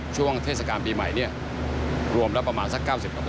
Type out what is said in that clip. ช่วงเทศกาลปีใหม่รวมแล้วประมาณสัก๙๐